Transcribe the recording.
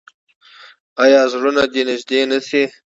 آیا زړونه دې نږدې نشي؟